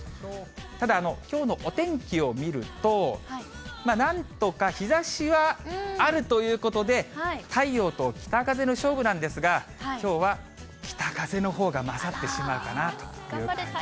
ただ、きょうのお天気を見ると、なんとか日ざしはあるということで、太陽と北風の勝負なんですが、きょうは北風のほうが勝ってしまうかなという感じですね。